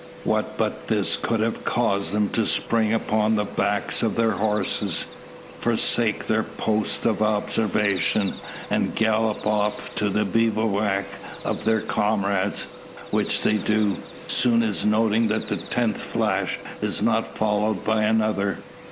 What but this could have caused them to spring upon the backs of their horses, forsake their post of observation, and gallop off to the bivouac of their comrades; which they do, soon as noting that the tenth flash is not followed by another?